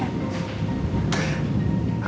dan balik lagi sama keisha